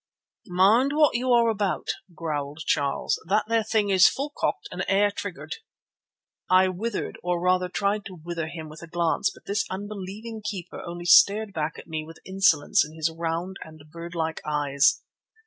"Mind what you are about," growled Charles. "That there thing is full cocked and 'air triggered." I withered, or, rather, tried to wither him with a glance, but this unbelieving keeper only stared back at me with insolence in his round and bird like eyes.